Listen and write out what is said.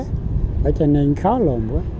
phải cho nên khó luôn quá